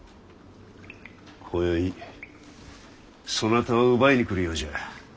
こよいそなたを奪いに来るようじゃ。